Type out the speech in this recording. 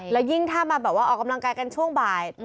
แล้วยิ่งถ้ามาแบบว่าออกกำลังกายกันช่วงบ่าย